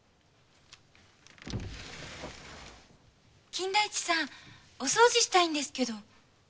金田一さんお掃除したいんですけど。